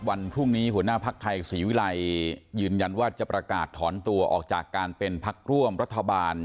วันพรุ่งนี้หัวหน้าภักดิ์ไทยศรีวิรัยยืนยันว่าจะประกาศถอนตัวออกจากการเป็นพักร่วมรัฐบาล